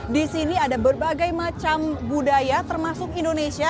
di sini ada berbagai macam budaya termasuk indonesia